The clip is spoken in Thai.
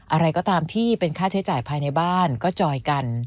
อะไรก็ตามที่เป็นค่าใช้จ่ายภายในบ้านก็จอยกัน